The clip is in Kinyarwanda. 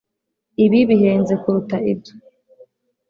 Ibi bihenze kuruta ibyo